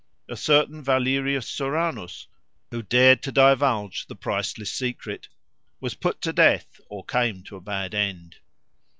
A certain Valerius Soranus, who dared to divulge the priceless secret, was put to death or came to a bad end.